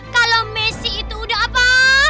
kalau messi itu udah apa